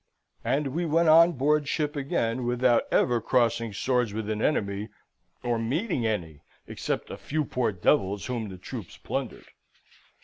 And we went on board shipp again, without ever crossing swords with an enemy or meeting any except a few poor devils whom the troops plundered.